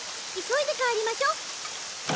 急いで帰りましょ！